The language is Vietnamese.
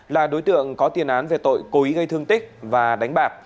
là đối tượng có tiền án về tội cố ý gây thương tích và đánh bạc